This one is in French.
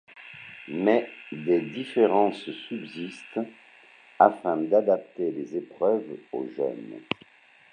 Mais des différences subsistent afin d'adapter les épreuves aux jeunes.